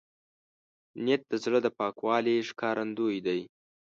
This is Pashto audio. نیت د زړه د پاکوالي ښکارندوی دی.